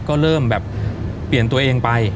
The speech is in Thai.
ก็เริ่มแบบเปลี่ยนตัวเองไป